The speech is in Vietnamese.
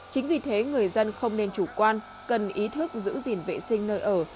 chính vì thế người dân không nên chủ quan cần ý thức giữ gìn vệ sinh nơi ở